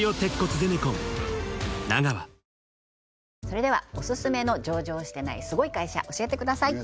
それではオススメの上場してないすごい会社教えてください